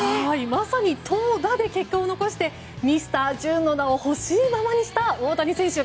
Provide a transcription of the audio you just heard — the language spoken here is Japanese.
まさに投打で結果を残してミスタージューンの名をほしいままにした大谷選手。